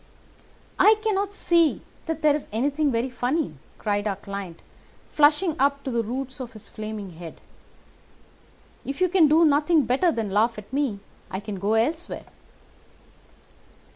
"I cannot see that there is anything very funny," cried our client, flushing up to the roots of his flaming head. "If you can do nothing better than laugh at me, I can go elsewhere."